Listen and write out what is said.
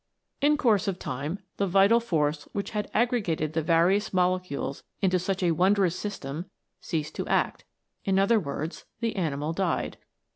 "In course of time the vital force which had aggre gated the various molecules into such a wondrous system ceased to act; in other words, the animal died.